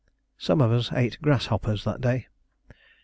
Some of us ate grasshoppers that day.